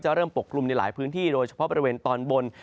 เริ่มปกกลุ่มในหลายพื้นที่โดยเฉพาะบริเวณตอนบน